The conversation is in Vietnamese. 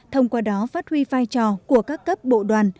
thông qua đó phát huy vai trò của các cấp bộ đoàn